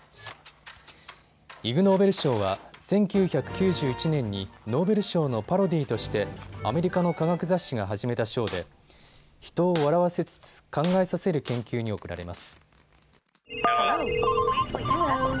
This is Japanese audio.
イグ・ノーベル賞は１９９１年にノーベル賞のパロディーとしてアメリカの科学雑誌が始めた賞で人を笑わせつつ考えさせる研究に贈られます。